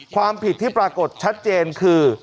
ความผิดที่ปรากฏชัดเจนคือ